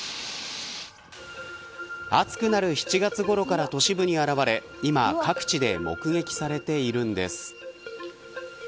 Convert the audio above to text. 暑くなる７月ごろから都市部に現れ今各地で目撃されているんです。